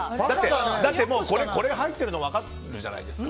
だってこれ、入ってるの分かるじゃないですか。